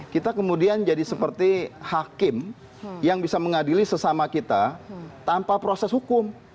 kita kemudian jadi seperti hakim yang bisa mengadili sesama kita tanpa proses hukum